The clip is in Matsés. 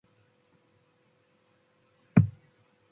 isadtsenquio bëshuquiabi